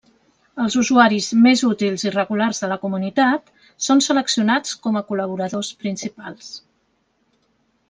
Els usuaris més útils i regulars de la comunitat són seleccionats com a Col·laboradors Principals.